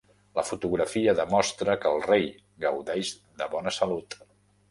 La fotografia demostra que el rei gaudeix de bona salut.